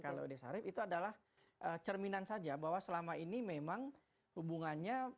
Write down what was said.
kalau di sarif itu adalah cerminan saja bahwa selama ini memang hubungannya